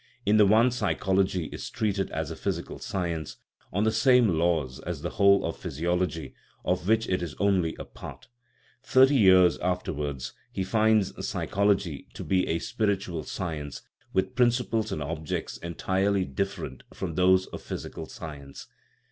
In the one psychology is treated as a physical science, on the same laws as the whole of physiology, of which it is only a part ; thirty years af terwards he finds psychology to be a spiritual science, with principles and objects entirely different from those of physical science.